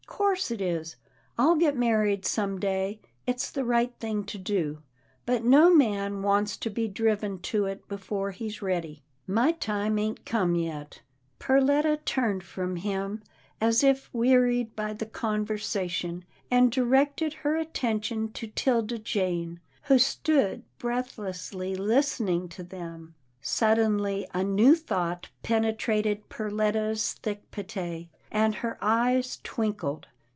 " 'Course it is, I'll get married some day. It's the right thing to do, but no man wants to be driven to it before he's ready. My time ain't come yet" Perletta turned from him, as if wearied by the conversation, and directed her attention to 'Tilda Jane, who stood breathlessly listening to them. 310 'TILDA JANE'S ORPHANS Suddenly, a new thought penetrated Perletta's thick pate, and her eyes twinkled.